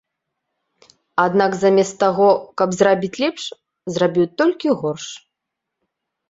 Аднак замест таго, каб зрабіць лепш, зрабіў толькі горш.